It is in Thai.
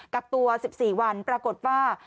กักตัว๑๔วันปรากฏว่า